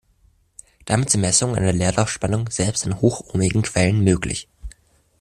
Damit sind Messungen der Leerlaufspannung selbst an hochohmigen Quellen möglich.